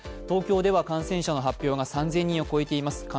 東京では感染者の発表が３０００人を超えています。